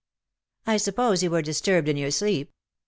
"I suppose you were disturbed in your sleep.